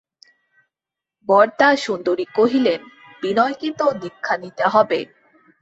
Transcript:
বরদাসুন্দরী কহিলেন, বিনয়কে তো দীক্ষা নিতে হবে।